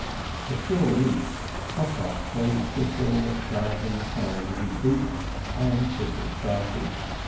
The shore reached, Prokop gave Fishel a shove in the side with his boot, and Fishel started.